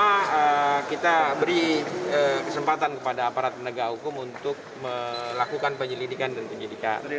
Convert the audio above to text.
pertama kita beri kesempatan kepada aparat penegak hukum untuk melakukan penyelidikan dan penyidikan